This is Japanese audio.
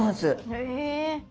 へえ。